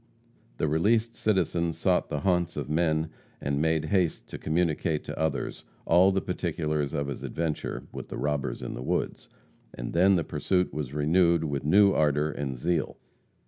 The released citizen sought the haunts of men and made haste to communicate to others all the particulars of his adventure with the robbers in the woods; and then the pursuit was renewed with new ardor and zeal.